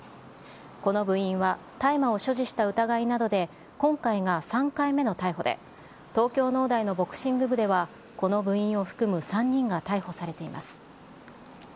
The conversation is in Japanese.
この部員は、大麻を所持した疑いなどで今回が３回目の逮捕で、東京農大のボクシング部では、この部員を含む３人が逮捕されています。